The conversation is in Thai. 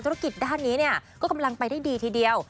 วันนี้ก็กำลังไปได้ดีทีเดียว